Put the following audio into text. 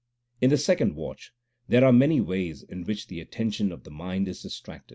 1 In the second watch there are many ways in which the attention of the mind is distracted.